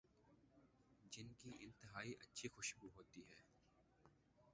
جن کی انتہائی اچھی خوشبو ہوتی ہے